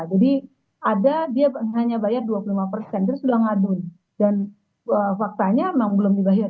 jadi ada dia hanya bayar dua puluh lima terus sudah mengadu dan faktanya memang belum dibayar